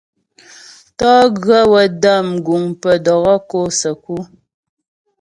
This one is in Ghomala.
Teguə wə́ dəm guŋ pə́ dɔkɔ́ kɔ səku.